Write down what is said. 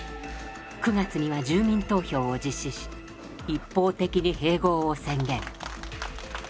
９月には住民投票を実施し一方的に併合を宣言。